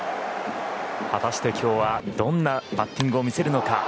果たして今日はどんなバッティングを見せるのか。